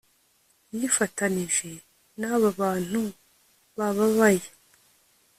Yifatanije naba bantu bababaye